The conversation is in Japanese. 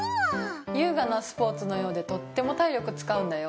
優雅なスポーツのようでとっても体力使うんだよ。